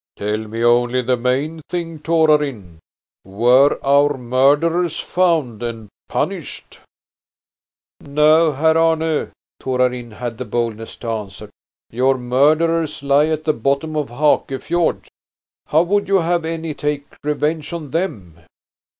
"Tell me only the main thing, Torarin. Were our murderers found and punished?" "No, Herr Arne," Torarin had the boldness to answer. "Your murderers lie at the bottom of Hakefjord. How would you have any take revenge on them?"